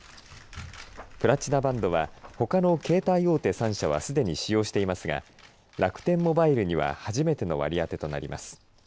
プラチナバンドはほかの携帯大手３社はすでに使用していますが楽天モバイルには初めての割り当てとなります。